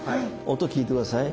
音聞いて下さい。